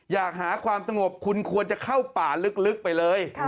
อยากหาความสงบคุณควรจะเข้าป่าลึกไปเลย